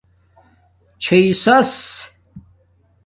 ݼئ ساٰس